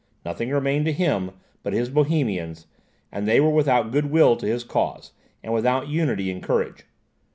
Nothing remained to him but his Bohemians; and they were without goodwill to his cause, and without unity and courage.